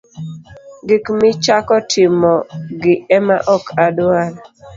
Gik michako timogi ema ok adwar.